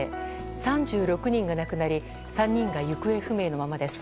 ３６人が亡くなり３人が行方不明のままです。